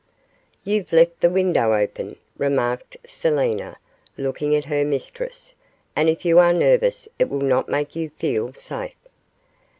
'You've left the window open,' remarked Selina, looking at her mistress, 'and if you are nervous it will not make you feel safe.